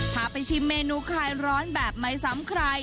พาไปชิมเมนูคลายร้อนแบบไม่ซ้ำใคร